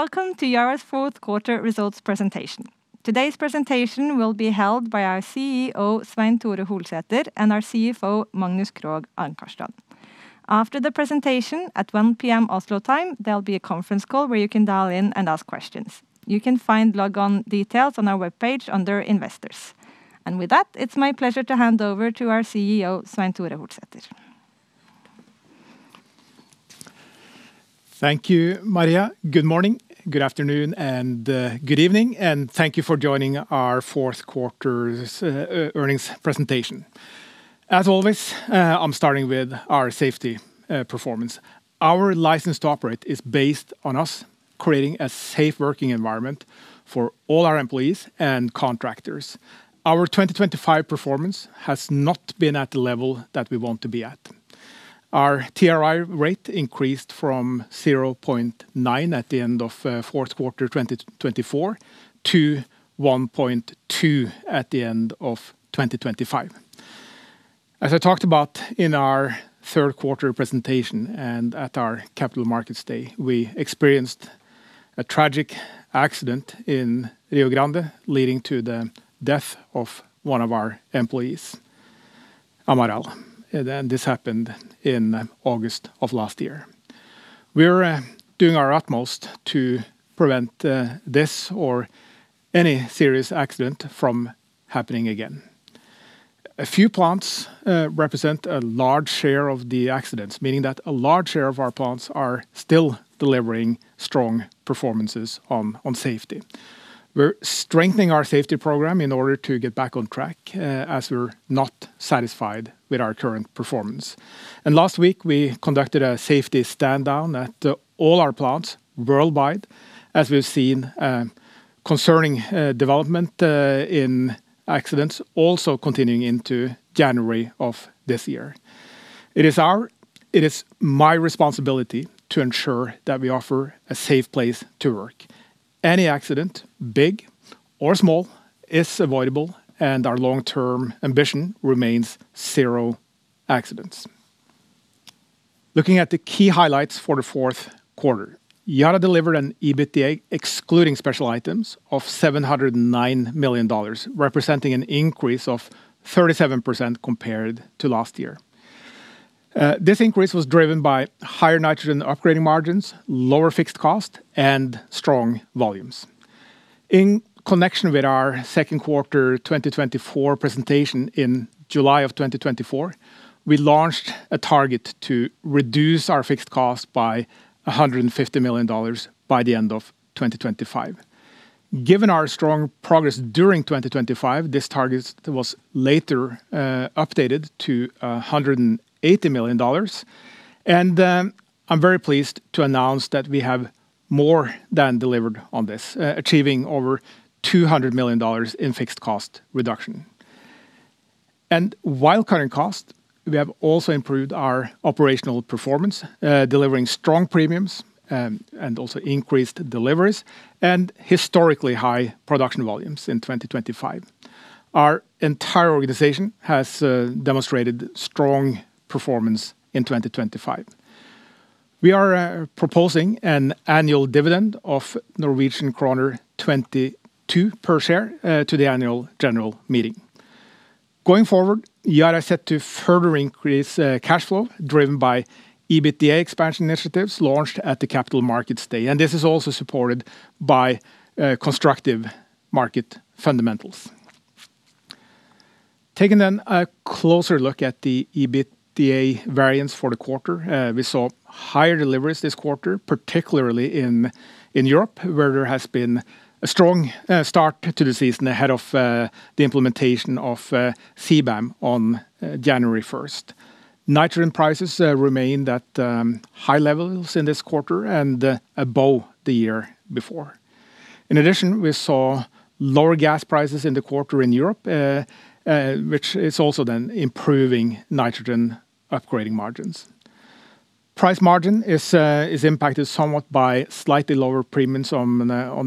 Welcome to Yara's Fourth Quarter results presentation. Today's presentation will be held by our CEO, Svein Tore Holsether, and our CFO, Magnus Krogh Ankarstrand. After the presentation at 1:00 P.M. Oslo time, there'll be a conference call where you can dial in and ask questions. You can find logon details on our web page under Investors. With that, it's my pleasure to hand over to our CEO, Svein Tore Holsether. Thank you, Maria. Good morning, good afternoon, and good evening, and thank you for joining our Fourth Quarter's earnings presentation. As always, I'm starting with our safety performance. Our license to operate is based on us creating a safe working environment for all our employees and contractors. Our 2025 performance has not been at the level that we want to be at. Our TRI rate increased from 0.9 at the end of fourth quarter 2024 to 1.2 at the end of 2025. As I talked about in our third quarter presentation and at our Capital Markets Day, we experienced a tragic accident in Rio Grande leading to the death of one of our employees, Amaral, and this happened in August of last year. We're doing our utmost to prevent this or any serious accident from happening again. A few plants represent a large share of the accidents, meaning that a large share of our plants are still delivering strong performances on safety. We're strengthening our safety program in order to get back on track as we're not satisfied with our current performance. Last week, we conducted a safety stand-down at all our plants worldwide as we've seen concerning development in accidents also continuing into January of this year. It is my responsibility to ensure that we offer a safe place to work. Any accident, big or small, is avoidable and our long-term ambition remains zero accidents. Looking at the key highlights for the fourth quarter, Yara delivered an EBITDA excluding special items of $709 million, representing an increase of 37% compared to last year. This increase was driven by higher nitrogen upgrading margins, lower fixed cost, and strong volumes. In connection with our Second Quarter 2024 presentation in July of 2024, we launched a target to reduce our fixed cost by $150 million by the end of 2025. Given our strong progress during 2025, this target was later updated to $180 million, and I'm very pleased to announce that we have more than delivered on this, achieving over $200 million in fixed cost reduction. While cutting costs, we have also improved our operational performance, delivering strong premiums and also increased deliveries and historically high production volumes in 2025. Our entire organization has demonstrated strong performance in 2025. We are proposing an annual dividend of Norwegian kroner 22/share to the annual general meeting. Going forward, Yara is set to further increase cash flow driven by EBITDA expansion initiatives launched at the Capital Markets Day, and this is also supported by constructive market fundamentals. Taking then a closer look at the EBITDA variance for the quarter, we saw higher deliveries this quarter, particularly in Europe where there has been a strong start to the season ahead of the implementation of CBAM on January 1st. Nitrogen prices remained at high levels in this quarter and above the year before. In addition, we saw lower gas prices in the quarter in Europe, which is also then improving nitrogen upgrading margins. Price margin is impacted somewhat by slightly lower premiums on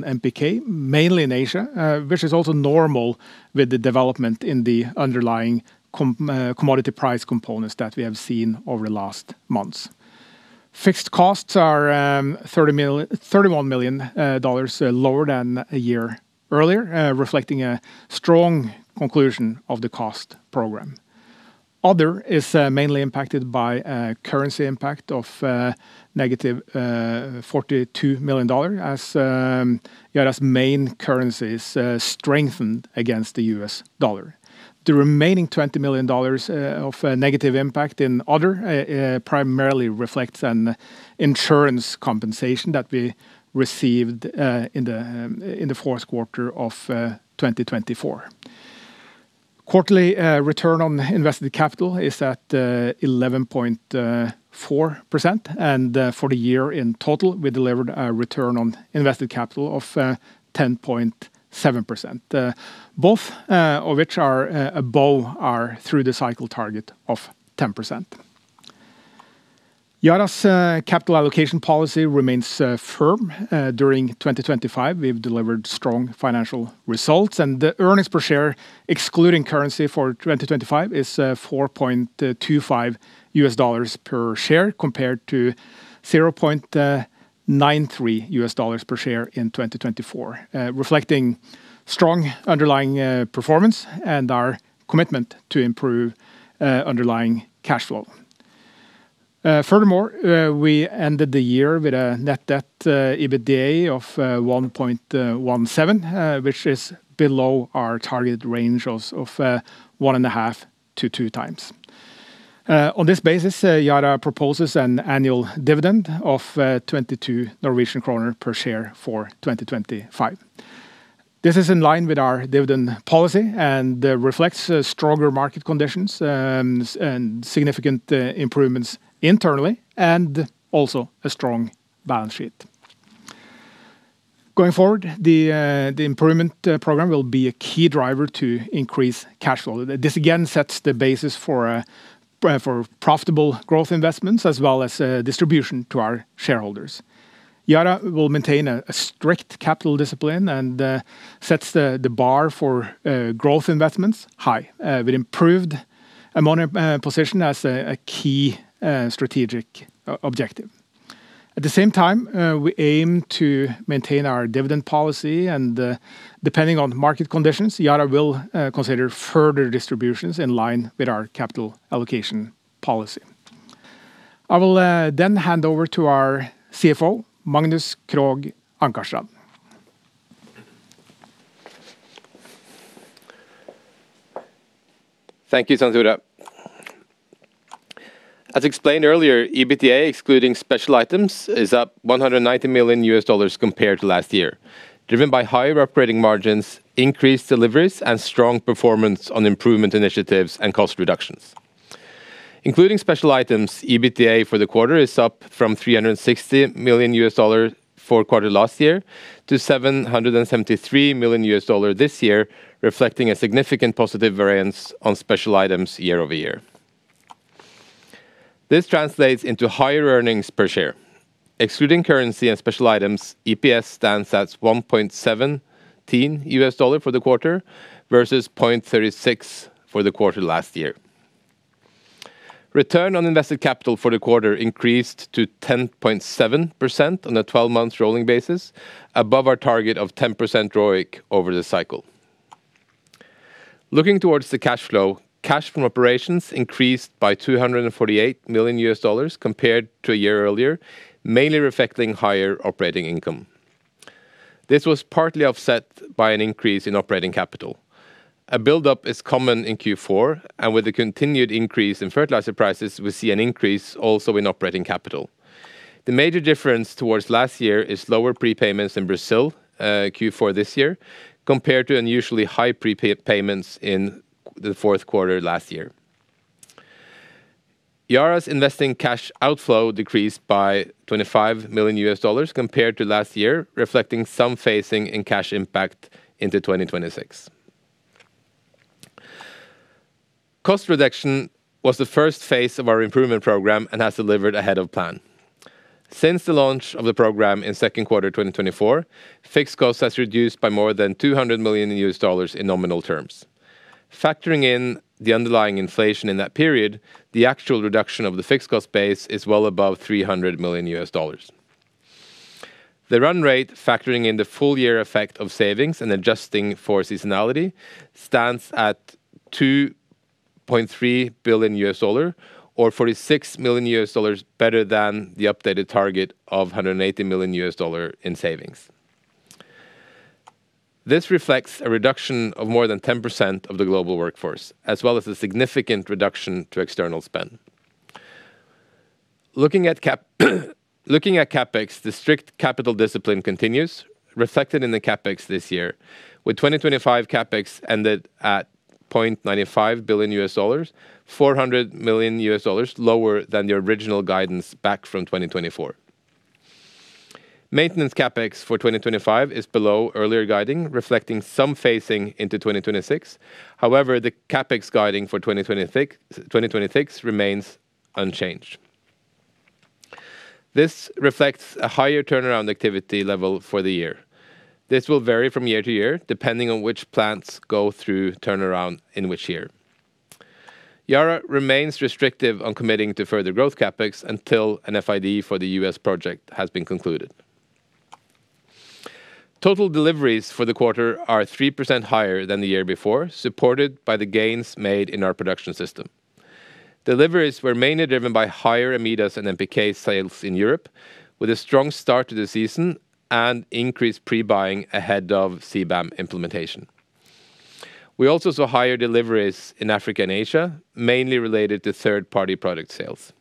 NPK, mainly in Asia, which is also normal with the development in the underlying commodity price components that we have seen over the last months. Fixed costs are $31 million lower than a year earlier, reflecting a strong conclusion of the cost program. Other is mainly impacted by currency impact of -$42 million as Yara's main currencies strengthened against the US dollar. The remaining $20 million of negative impact in other primarily reflects an insurance compensation that we received in the fourth quarter of 2024. Quarterly return on invested capital is at 11.4%, and for the year in total, we delivered a return on invested capital of 10.7%, both of which are above our through-the-cycle target of 10%. Yara's capital allocation policy remains firm. During 2025, we've delivered strong financial results, and the earnings per share excluding currency for 2025 is $4.25 per share compared to $0.93 per share in 2024, reflecting strong underlying performance and our commitment to improve underlying cash flow. Furthermore, we ended the year with a net debt/EBITDA of 1.17, which is below our target range of 1.5-2 times. On this basis, Yara proposes an annual dividend of 22 Norwegian kroner per share for 2025. This is in line with our dividend policy and reflects stronger market conditions and significant improvements internally and also a strong balance sheet. Going forward, the improvement program will be a key driver to increase cash flow. This again sets the basis for profitable growth investments as well as distribution to our shareholders. Yara will maintain a strict capital discipline and sets the bar for growth investments high with improved ammonia position as a key strategic objective. At the same time, we aim to maintain our dividend policy, and depending on market conditions, Yara will consider further distributions in line with our capital allocation policy. I will then hand over to our CFO, Magnus Krogh Ankarstrand. Thank you, Svein Tore. As explained earlier, EBITDA excluding special items is up $190 million compared to last year, driven by higher operating margins, increased deliveries, and strong performance on improvement initiatives and cost reductions. Including special items, EBITDA for the quarter is up from $360 million for quarter last year to $773 million this year, reflecting a significant positive variance on special items year-over-year. This translates into higher earnings per share. Excluding currency and special items, EPS stands at $1.17 for the quarter versus $0.36 for the quarter last year. Return on invested capital for the quarter increased to 10.7% on a 12-month rolling basis, above our target of 10% ROIC over the cycle. Looking towards the cash flow, cash from operations increased by $248 million compared to a year earlier, mainly reflecting higher operating income. This was partly offset by an increase in operating capital. A buildup is common in Q4, and with the continued increase in fertilizer prices, we see an increase also in operating capital. The major difference toward last year is lower prepayments in Brazil Q4 this year compared to unusually high prepayments in the fourth quarter last year. Yara's investing cash outflow decreased by $25 million compared to last year, reflecting some phasing in cash impact into 2026. Cost reduction was the first phase of our improvement program and has delivered ahead of plan. Since the launch of the program in second quarter 2024, fixed costs have reduced by more than $200 million in nominal terms. Factoring in the underlying inflation in that period, the actual reduction of the fixed cost base is well above $300 million. The run rate, factoring in the full-year effect of savings and adjusting for seasonality, stands at $2.3 billion, or $46 million better than the updated target of $180 million in savings. This reflects a reduction of more than 10% of the global workforce, as well as a significant reduction to external spend. Looking at CapEx, the strict capital discipline continues, reflected in the CapEx this year, with 2025 CapEx ended at $0.95 billion, $400 million lower than the original guidance back from 2024. Maintenance CapEx for 2025 is below earlier guiding, reflecting some phasing into 2026. However, the CapEx guiding for 2026 remains unchanged. This reflects a higher turnaround activity level for the year. This will vary from year-to-year depending on which plants go through turnaround in which year. Yara remains restrictive on committing to further growth CapEx until an FID for the U.S. project has been concluded. Total deliveries for the quarter are 3% higher than the year before, supported by the gains made in our production system. Deliveries were mainly driven by higher AMIDAS and NPK sales in Europe, with a strong start to the season and increased prebuying ahead of CBAM implementation. We also saw higher deliveries in Africa and Asia, mainly related to third-party product sales.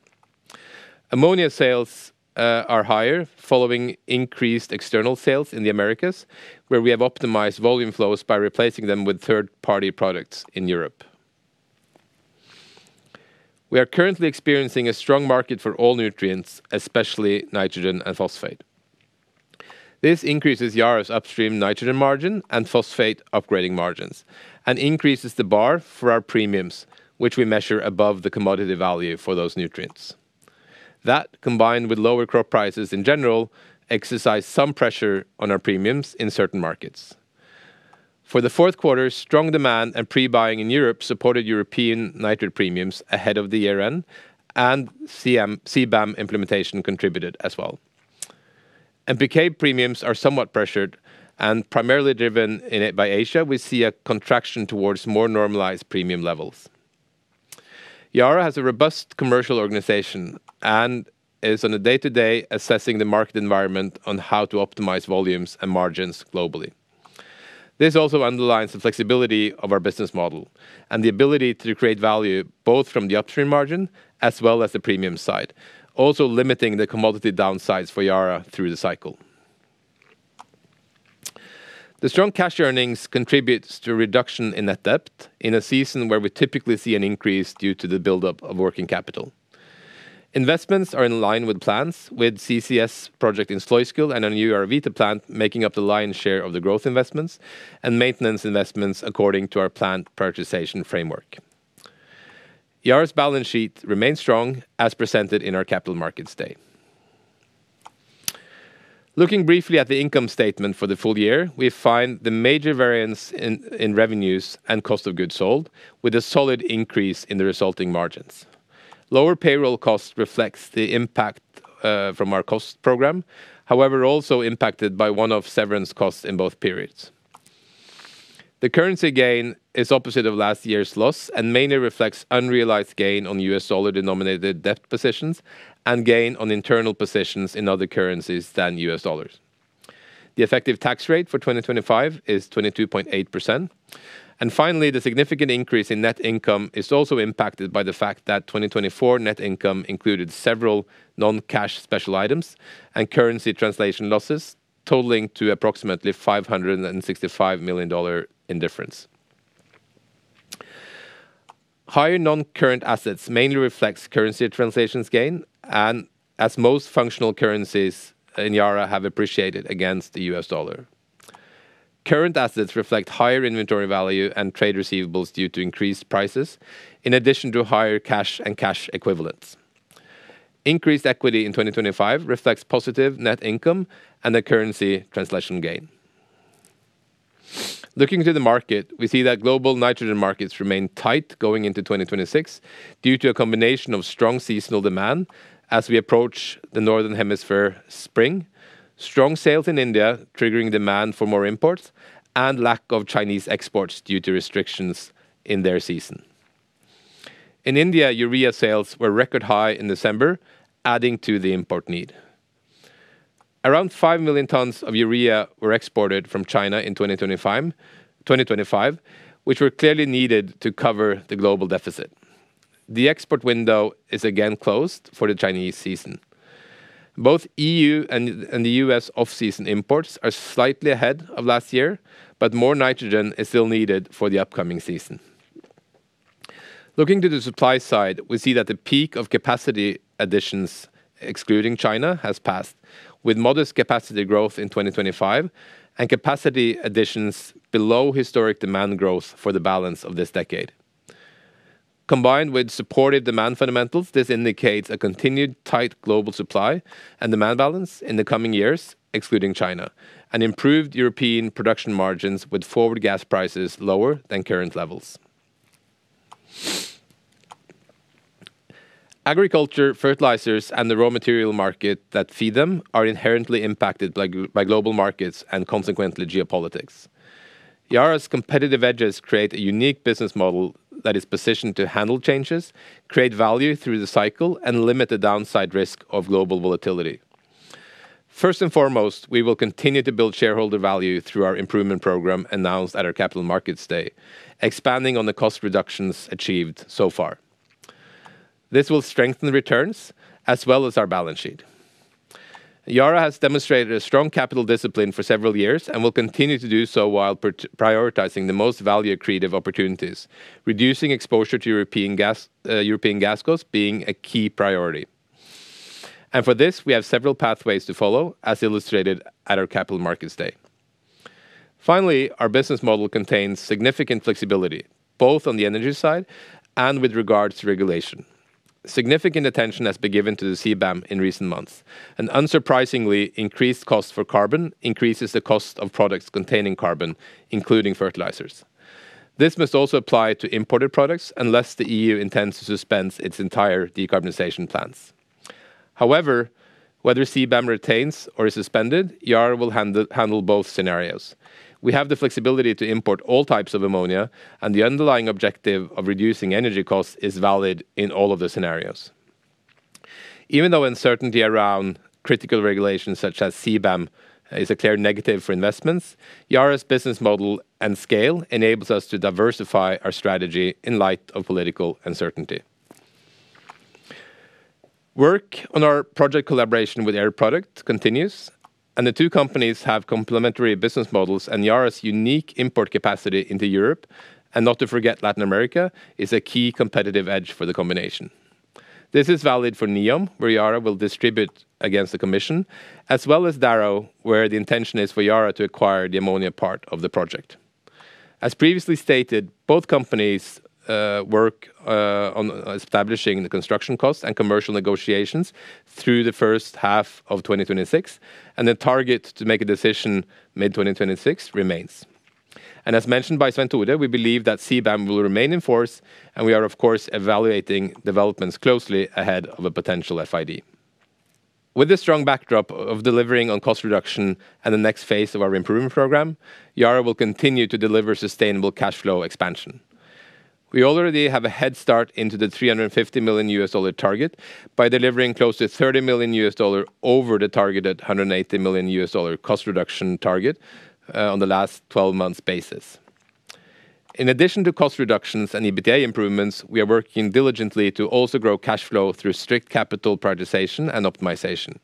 Ammonia sales are higher following increased external sales in the Americas, where we have optimized volume flows by replacing them with third-party products in Europe. We are currently experiencing a strong market for all nutrients, especially nitrogen and phosphate. This increases Yara's upstream nitrogen margin and phosphate upgrading margins and increases the bar for our premiums, which we measure above the commodity value for those nutrients. That, combined with lower crop prices in general, exerts some pressure on our premiums in certain markets. For the fourth quarter, strong demand and prebuying in Europe supported European nitrate premiums ahead of the year-end, and CBAM implementation contributed as well. NPK premiums are somewhat pressured, and primarily driven by Asia. We see a contraction towards more normalized premium levels. Yara has a robust commercial organization and is on a day-to-day assessing the market environment on how to optimize volumes and margins globally. This also underlines the flexibility of our business model and the ability to create value both from the upstream margin as well as the premium side, also limiting the commodity downsides for Yara through the cycle. The strong cash earnings contribute to a reduction in net debt in a season where we typically see an increase due to the buildup of working capital. Investments are in line with plans, with CCS project in Sluiskil and a new YaraVita plant making up the lion's share of the growth investments and maintenance investments according to our plant prioritization framework. Yara's balance sheet remains strong as presented in our Capital Markets Day. Looking briefly at the income statement for the full year, we find the major variance in revenues and cost of goods sold, with a solid increase in the resulting margins. Lower payroll costs reflect the impact from our cost program, however also impacted by one-off severance costs in both periods. The currency gain is opposite of last year's loss and mainly reflects unrealized gain on U.S. dollar-denominated debt positions and gain on internal positions in other currencies than U.S. dollars. The effective tax rate for 2025 is 22.8%. Finally, the significant increase in net income is also impacted by the fact that 2024 net income included several non-cash special items and currency translation losses, totaling to approximately $565 million in difference. Higher non-current assets mainly reflect currency translations gain, as most functional currencies in Yara have appreciated against the U.S. dollar. Current assets reflect higher inventory value and trade receivables due to increased prices, in addition to higher cash and cash equivalents. Increased equity in 2025 reflects positive net income and the currency translation gain. Looking to the market, we see that global nitrogen markets remain tight going into 2026 due to a combination of strong seasonal demand as we approach the northern hemisphere spring, strong sales in India triggering demand for more imports, and lack of Chinese exports due to restrictions in their season. In India, urea sales were record high in December, adding to the import need. Around 5 million tons of urea were exported from China in 2025, which were clearly needed to cover the global deficit. The export window is again closed for the Chinese season. Both E.U. and the U.S. off-season imports are slightly ahead of last year, but more nitrogen is still needed for the upcoming season. Looking to the supply side, we see that the peak of capacity additions excluding China has passed, with modest capacity growth in 2025 and capacity additions below historic demand growth for the balance of this decade. Combined with supported demand fundamentals, this indicates a continued tight global supply and demand balance in the coming years, excluding China, and improved European production margins with forward gas prices lower than current levels. Agriculture, fertilizers, and the raw material market that feed them are inherently impacted by global markets and consequently geopolitics. Yara's competitive edges create a unique business model that is positioned to handle changes, create value through the cycle, and limit the downside risk of global volatility. First and foremost, we will continue to build shareholder value through our improvement program announced at our Capital Markets Day, expanding on the cost reductions achieved so far. This will strengthen returns as well as our balance sheet. Yara has demonstrated a strong capital discipline for several years and will continue to do so while prioritizing the most value-creative opportunities, reducing exposure to European gas costs being a key priority. For this, we have several pathways to follow, as illustrated at our Capital Markets Day. Finally, our business model contains significant flexibility, both on the energy side and with regards to regulation. Significant attention has been given to the CBAM in recent months. An unsurprisingly increased cost for carbon increases the cost of products containing carbon, including fertilizers. This must also apply to imported products unless the E.U. intends to suspend its entire decarbonization plans. However, whether CBAM retains or is suspended, Yara will handle both scenarios. We have the flexibility to import all types of ammonia, and the underlying objective of reducing energy costs is valid in all of the scenarios. Even though uncertainty around critical regulations such as CBAM is a clear negative for investments, Yara's business model and scale enables us to diversify our strategy in light of political uncertainty. Work on our project collaboration with Air Products continues, and the two companies have complementary business models, and Yara's unique import capacity into Europe, and not to forget Latin America, is a key competitive edge for the combination. This is valid for NEOM, where Yara will distribute against the commission, as well as Darrow, where the intention is for Yara to acquire the ammonia part of the project. As previously stated, both companies work on establishing the construction costs and commercial negotiations through the first half of 2026, and the target to make a decision mid-2026 remains. As mentioned by Svein Tore, we believe that CBAM will remain in force, and we are, of course, evaluating developments closely ahead of a potential FID. With the strong backdrop of delivering on cost reduction and the next phase of our improvement program, Yara will continue to deliver sustainable cash flow expansion. We already have a head start into the $350 million target by delivering close to $30 million over the targeted $180 million cost reduction target on the last 12-month basis. In addition to cost reductions and EBITDA improvements, we are working diligently to also grow cash flow through strict capital prioritization and optimization.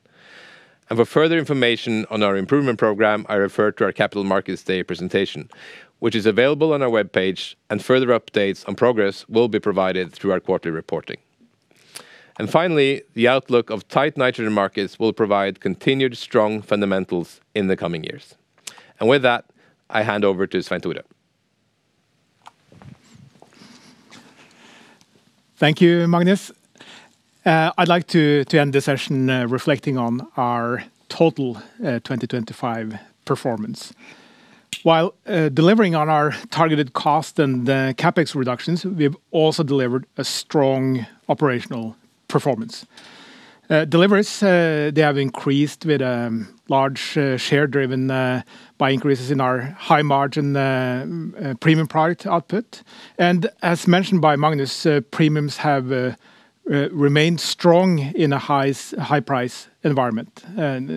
For further information on our improvement program, I refer to our Capital Markets Day presentation, which is available on our webpage, and further updates on progress will be provided through our quarterly reporting. Finally, the outlook of tight nitrogen markets will provide continued strong fundamentals in the coming years. With that, I hand over to Svein Tore. Thank you, Magnus. I'd like to end the session reflecting on our total 2025 performance. While delivering on our targeted cost and CapEx reductions, we've also delivered a strong operational performance. Deliveries, they have increased with a large share driven by increases in our high-margin premium product output. As mentioned by Magnus, premiums have remained strong in a high-price environment,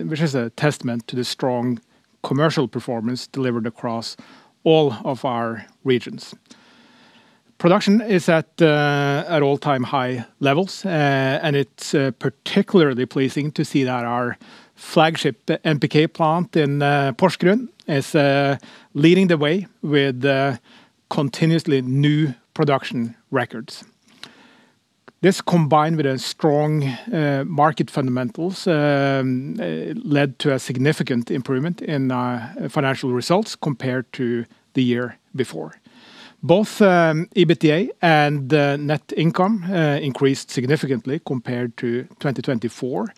which is a testament to the strong commercial performance delivered across all of our regions. Production is at all-time high levels, and it's particularly pleasing to see that our flagship NPK plant in Porsgrunn is leading the way with continuously new production records. This, combined with strong market fundamentals, led to a significant improvement in financial results compared to the year before. Both EBITDA and net income increased significantly compared to 2024,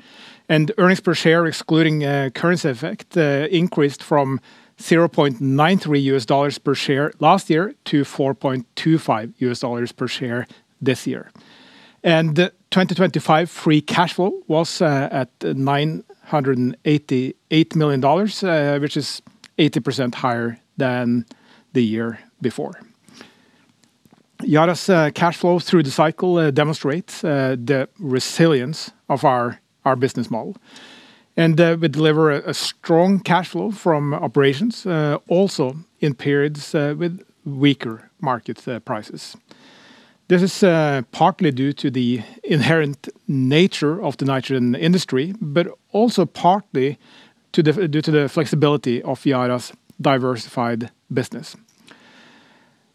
and earnings per share, excluding currency effect, increased from $0.93 per share last year to $4.25 per share this year. 2025 free cash flow was at $988 million, which is 80% higher than the year before. Yara's cash flow through the cycle demonstrates the resilience of our business model. We deliver a strong cash flow from operations, also in periods with weaker market prices. This is partly due to the inherent nature of the nitrogen industry, but also partly due to the flexibility of Yara's diversified business.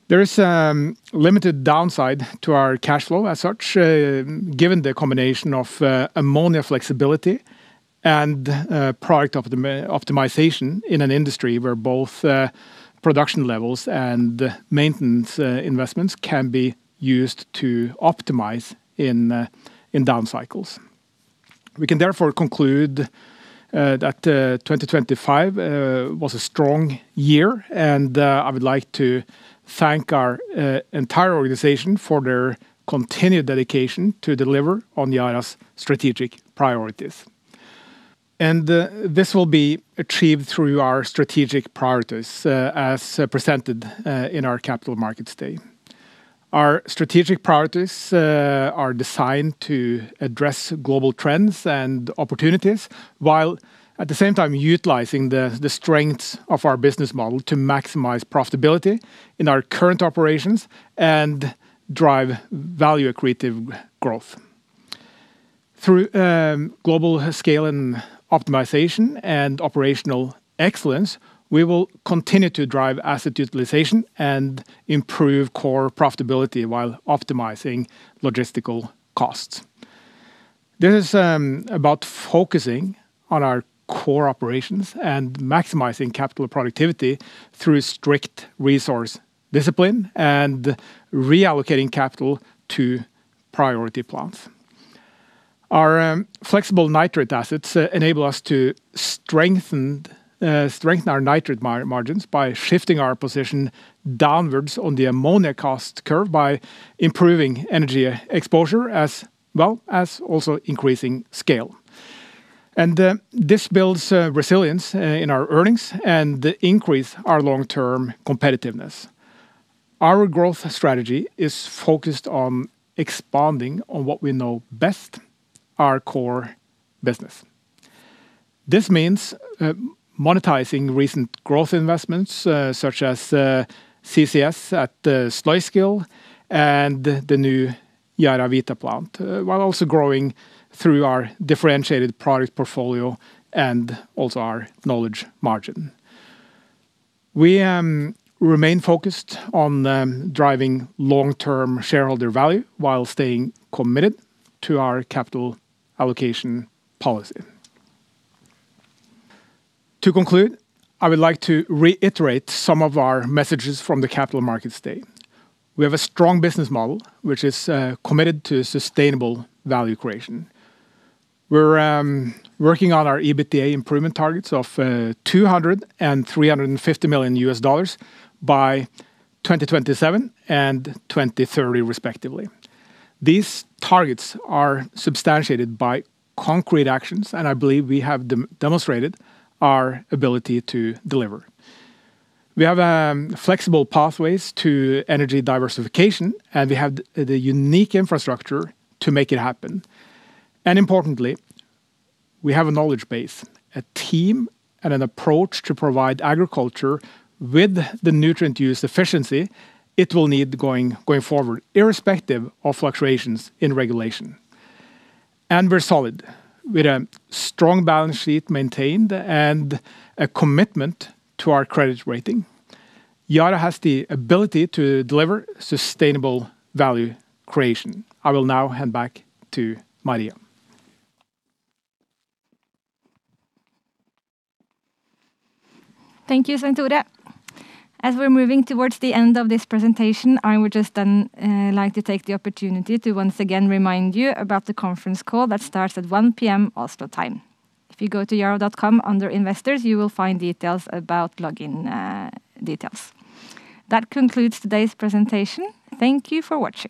There is a limited downside to our cash flow as such, given the combination of ammonia flexibility and product optimization in an industry where both production levels and maintenance investments can be used to optimize in down cycles. We can therefore conclude that 2025 was a strong year, and I would like to thank our entire organization for their continued dedication to deliver on Yara's strategic priorities. This will be achieved through our strategic priorities, as presented in our Capital Markets Day. Our strategic priorities are designed to address global trends and opportunities while, at the same time, utilizing the strengths of our business model to maximize profitability in our current operations and drive value-creative growth. Through global scale and optimization and operational excellence, we will continue to drive asset utilization and improve core profitability while optimizing logistical costs. This is about focusing on our core operations and maximizing capital productivity through strict resource discipline and reallocating capital to priority plants. Our flexible nitrate assets enable us to strengthen our nitrate margins by shifting our position downwards on the ammonia cost curve by improving energy exposure as well as also increasing scale. This builds resilience in our earnings and increases our long-term competitiveness. Our growth strategy is focused on expanding on what we know best, our core business. This means monetizing recent growth investments such as CCS at Sluiskil and the new YaraVita plant, while also growing through our differentiated product portfolio and also our knowledge margin. We remain focused on driving long-term shareholder value while staying committed to our capital allocation policy. To conclude, I would like to reiterate some of our messages from the Capital Markets Day. We have a strong business model, which is committed to sustainable value creation. We're working on our EBITDA improvement targets of $200 million and $350 million by 2027 and 2030, respectively. These targets are substantiated by concrete actions, and I believe we have demonstrated our ability to deliver. We have flexible pathways to energy diversification, and we have the unique infrastructure to make it happen. Importantly, we have a knowledge base, a team, and an approach to provide agriculture with the nutrient use efficiency it will need going forward, irrespective of fluctuations in regulation. We're solid. With a strong balance sheet maintained and a commitment to our credit rating, Yara has the ability to deliver sustainable value creation. I will now hand back to Maria. Thank you, Svein Tore. As we're moving towards the end of this presentation, I would just like to take the opportunity to once again remind you about the conference call that starts at 1:00 P.M. Oslo time. If you go to yara.com under investors, you will find details about login details. That concludes today's presentation. Thank you for watching.